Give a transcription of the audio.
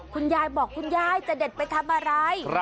คุณยายบอกคุณยายจะเด็ดไปทำอะไร